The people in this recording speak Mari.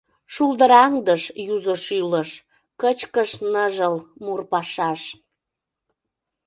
Шулдыраҥдыш юзо шӱлыш, Кычкыш ныжыл мур пашаш.